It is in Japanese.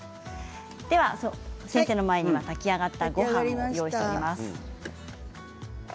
先生の前に炊き上がったごはんを用意しています。